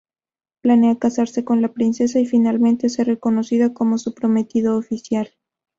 Planea casarse con la princesa y finalmente ser reconocido como su prometido oficial.